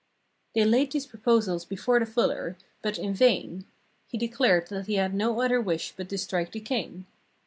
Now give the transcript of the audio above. "They laid these proposals before the fuller, but in vain; he declared that he had no other wish but to strike the king.